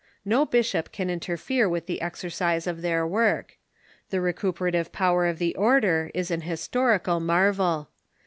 No bishop can interfere with the ex ercise of their work. The recuperative power of the order is an historical marvel.